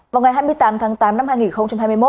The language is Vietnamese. công an tp hcm